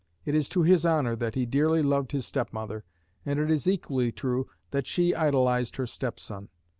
It is to his honor that he dearly loved his step mother, and it is equally true that she idolized her step son.